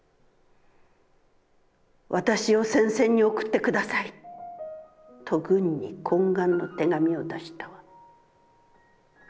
『私を戦線に送ってください』と軍に懇願の手紙を出したわ。